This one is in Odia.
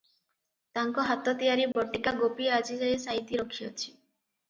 ତାଙ୍କ ହାତ ତିଆରି ବଟିକା ଗୋପୀ ଆଜିଯାଏ ସାଇତି ରଖିଅଛି ।